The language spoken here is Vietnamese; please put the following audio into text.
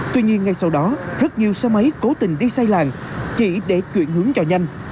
tuy nhiên ngay sau đó rất nhiều xe máy cố tình đi xây làng chỉ để chuyển hướng cho nhanh